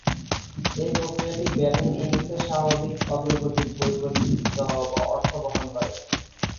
এ প্রক্রিয়াটি ব্যাটিং ইনিংসের স্বাভাবিক অগ্রগতির বৈপরীত্য অর্থ বহন করে।